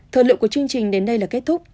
thời lượng của chương trình đến đây là kết thúc